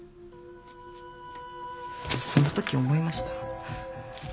その時思いました。